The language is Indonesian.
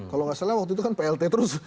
kalau nggak salah waktu itu kan plt terus